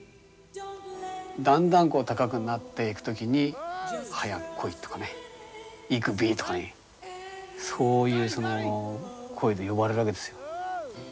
だんだんこう高くなっていく時に「早く来い」とかね「行くべ」とかねそういう声で呼ばれるわけですよ。